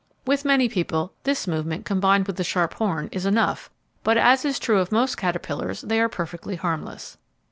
With many people, this movement, combined with the sharp horn, is enough, but as is true of most caterpillars, they are perfectly harmless.